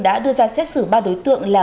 đã đưa ra xét xử ba đối tượng là